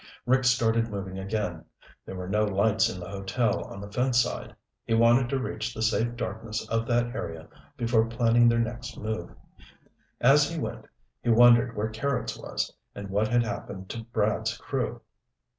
Rick started moving again. There were no lights in the hotel on the fence side. He wanted to reach the safe darkness of that area before planning their next move. As he went, he wondered where Carrots was, and what had happened to Brad's crew.